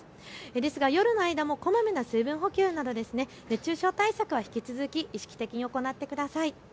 ですが夜の間もこまめな水分補給など熱中症対策は引き続き意識的に行ってください。